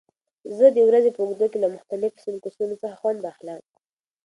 زه د ورځې په اوږدو کې له مختلفو سنکسونو څخه خوند اخلم.